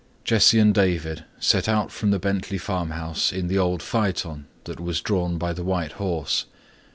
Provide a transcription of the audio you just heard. Jesse and David set out from the Bentley farmhouse in the old phaeton that was drawn by the white horse.